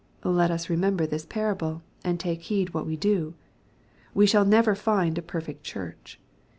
Let us remember this parable, and take heed what we do. We shall never find a perfect Church.